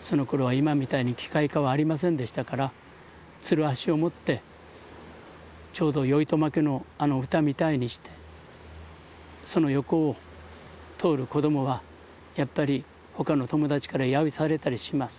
そのころは今みたいに機械化はありませんでしたからつるはしを持ってちょうどヨイトマケのあの歌みたいにしてその横を通る子どもはやっぱり他の友達から揶揄されたりします。